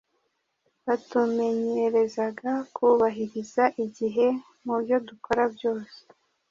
batumenyerezaga kubahiriza igihe mu byo dukora byose